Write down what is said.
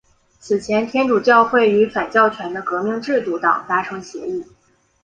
此前天主教会与反教权的革命制度党达成协议。